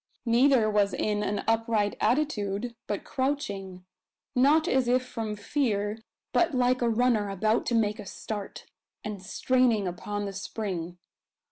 Neither was in an upright attitude, but crouching not as if from fear, but like a runner about to make a start, and straining upon the spring.